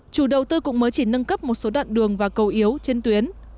chủ đầu tư cũng mới chỉ nâng cấp một số đoạn đường và cầu yếu trên tuyến